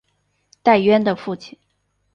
戴渊的父亲。